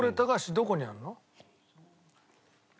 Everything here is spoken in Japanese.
どこにあるの？